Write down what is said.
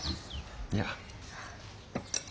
いや。